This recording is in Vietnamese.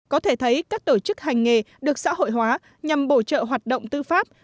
có thể thấy các tổ chức hành nghề được xã hội hóa nhằm bổ trợ hoạt động tư pháp